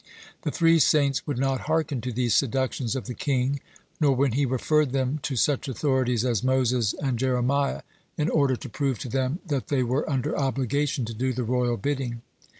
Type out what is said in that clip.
The three saints would not hearken to these seductions of the king, nor when he referred them to such authorities as Moses and Jeremiah, in order to prove to them that they were under obligation to do the royal bidding.